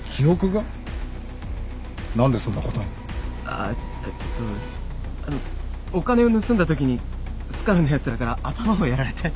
あえっとあのお金を盗んだときにスカルのやつらから頭をやられて。